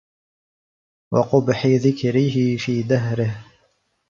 وَقُبْحِ ذِكْرِهِ فِي دَهْرِهِ